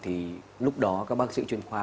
thì lúc đó các bác sĩ chuyên khoa